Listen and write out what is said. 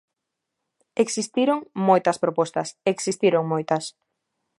Existiron moitas propostas, existiron moitas.